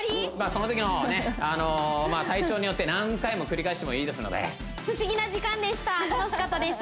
その時のねっ体調によって何回も繰り返してもいいですので不思議な時間でした楽しかったです